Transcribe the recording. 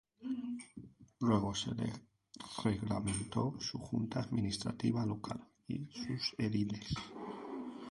Luego se le reglamentó su Junta Administradora Local y sus ediles.